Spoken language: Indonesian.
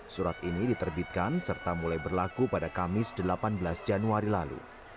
surat ini diterbitkan serta mulai berlaku pada kamis delapan belas januari lalu